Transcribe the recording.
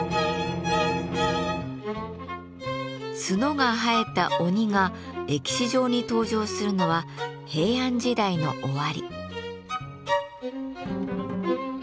角が生えた鬼が歴史上に登場するのは平安時代の終わり。